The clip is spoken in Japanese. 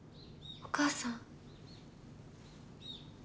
・・・お母さん？